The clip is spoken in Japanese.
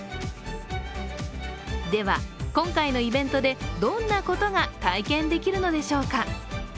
では、今回のイベントでどんなことが体験できるのでしょうか。